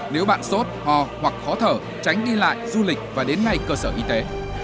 nếu bạn sốt ho hoặc khó thở tránh đi lại du lịch và đến ngay cơ sở y tế